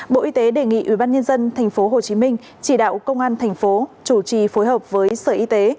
bộ y tế đề nghị ubnd tp hcm chỉ đạo công an thành phố chủ trì phối hợp với sở y tế